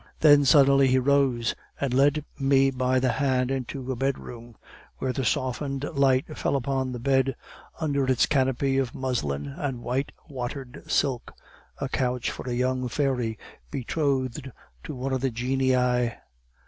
Then suddenly he rose, and led me by the hand into a bedroom, where the softened light fell upon the bed under its canopy of muslin and white watered silk a couch for a young fairy betrothed to one of the genii.